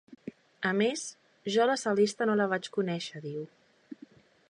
A més, jo la Celeste no la vaig conèixer —diu—.